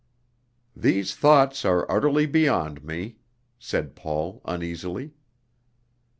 "These thoughts are utterly beyond me," said Paul uneasily.